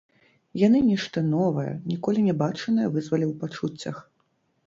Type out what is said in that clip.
Яны нешта новае, ніколі не бачанае вызвалі ў пачуццях.